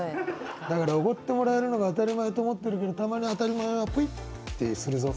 だからおごってもらえるのが当たり前と思ってるけどたまに当たり前はプイッてするぞ。